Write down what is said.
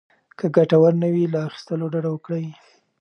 که ګټور نه وي، له اخيستلو ډډه وکړئ.